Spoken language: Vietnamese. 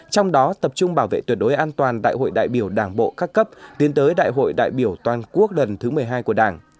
trong đó tập trung bảo vệ tuyệt đối an toàn đại hội đại biểu đảng bộ các cấp tiến tới đại hội đại biểu toàn quốc lần thứ một mươi hai của đảng